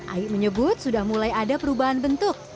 aik menyebut sudah mulai ada perubahan bentuk